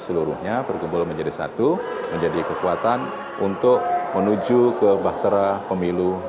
seluruhnya berkumpul menjadi satu menjadi kekuatan untuk menuju ke baktera pemerintahan